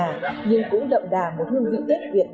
nhưng cũng đậm đà một hương vị tết việt